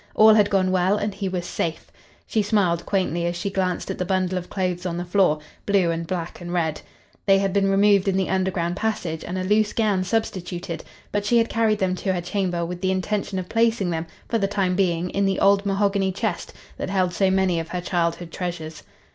All had gone well and he was safe. She smiled quaintly as she glanced at the bundle of clothes on the floor, blue and black and red. They had been removed in the underground passage and a loose gown substituted, but she had carried them to her chamber with the intention of placing them for the time being in the old mahogany chest that held so many of her childhood treasures.